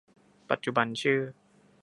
ปัจจุบันชื่อ